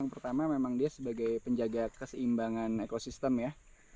yang pertama memang dia sebagai penjaga keseimbangan ekosistem ya